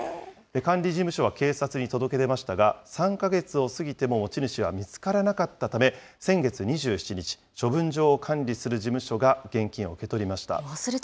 管理事務所は警察に届け出ましたが、３か月を過ぎても持ち主は見つからなかったため、先月２７日、処分場を管理する事務所が現金を受け取りました。